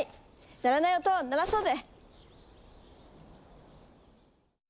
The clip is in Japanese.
鳴らない音を鳴らそうぜ！